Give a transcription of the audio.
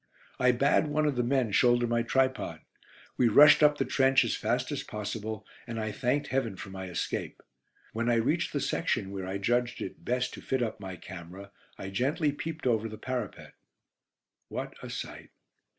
I bade one of the men shoulder my tripod. We rushed up the trench as fast as possible, and I thanked Heaven for my escape. When I reached the section where I judged it best to fit up my camera, I gently peeped over the parapet. What a sight.